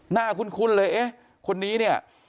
คุ้นเลยเอ๊ะคนนี้เนี่ย